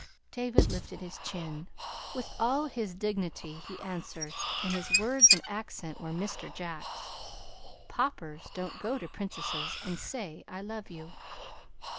David lifted his chin. With all his dignity he answered, and his words and accent were Mr. Jack's. "Paupers don't go to Princesses, and say 'I love you.'"